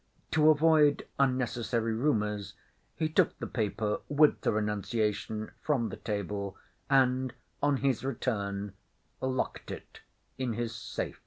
To avoid unnecessary rumours he took the paper with the renunciation from the table and, on his return, locked it in his safe.